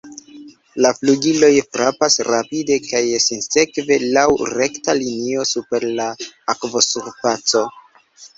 La flugiloj frapas rapide kaj sinsekve laŭ rekta linio super la akvosurfaco.